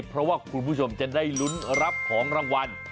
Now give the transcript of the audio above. เพราะว่าคุณผู้ชมจะได้ลุ้นรับของรางวัล